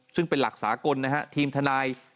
ซึ่งเป็นหลักสากลนะฮะทีมทนาย